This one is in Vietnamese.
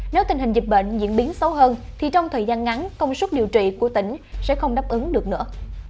nếu tình hình dịch bệnh diễn biến xấu hơn thì trong thời gian ngắn công suất điều trị của tỉnh sẽ không đáp ứng được nữa